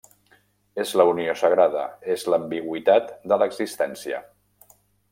És la unió sagrada, és l'ambigüitat de l'existència.